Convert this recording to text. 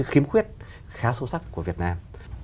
khiếm khuyết khá sâu sắc của việt nam